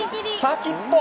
先っぽ！